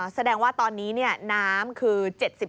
แสดงว่าตอนนี้น้ำคือ๗๐